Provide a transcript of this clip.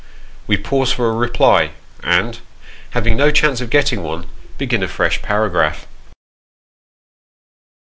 We pause for a reply ; and, having no chance of getting one, begin a fresh paragraph.